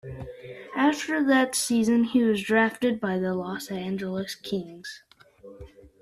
After that season he was drafted by the Los Angeles Kings.